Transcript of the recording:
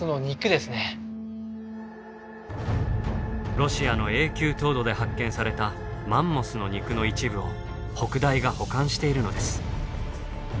ロシアの永久凍土で発見されたマンモスの肉の一部を北大が保管しているのです。